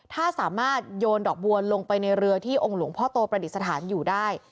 ถ้าสามารถโยนดอกบัวลงไปในเรือที่องค์หลวงพ่อโตประดิษฐานอยู่ได้